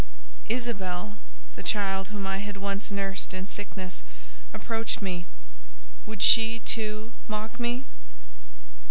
"Isabelle," the child whom I had once nursed in sickness, approached me. Would she, too, mock me!